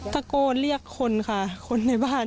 ตะโกนเรียกคนค่ะคนในบ้าน